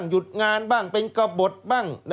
สวัสดีค่ะต้องรับคุณผู้ชมเข้าสู่ชูเวสตีศาสตร์หน้า